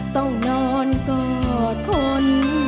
ต้องนอนกอดทน